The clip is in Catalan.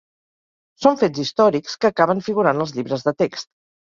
Són fets històrics que acaben figurant als llibres de text.